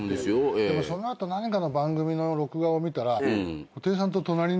でもその後何かの番組の録画を見たら。